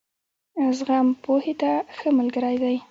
زغم، پوهې ته ښه ملګری دی.